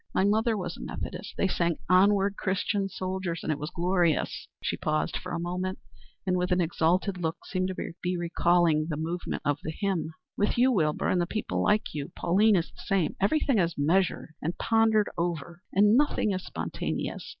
My mother was a Methodist. They sang 'Onward Christian Soldiers,' and it was glorious." She paused a moment and, with an exalted look, seemed to be recalling the movement of the hymn. "With you, Wilbur, and the people like you Pauline is the same everything is measured and pondered over, and nothing is spontaneous.